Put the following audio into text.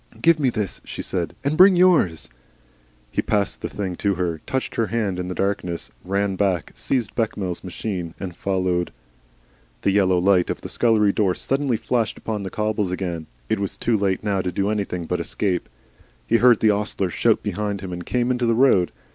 "Give me this," she said, "and bring yours." He passed the thing to her, touched her hand in the darkness, ran back, seized Bechamel's machine, and followed. The yellow light of the scullery door suddenly flashed upon the cobbles again. It was too late now to do anything but escape. He heard the ostler shout behind him, and came into the road.